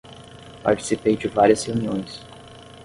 Participei de várias reuniões